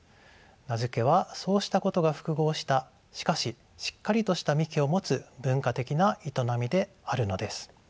名付けはそうしたことが複合したしかししっかりとした幹を持つ文化的な営みであるのです。